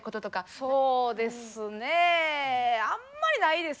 そうですね。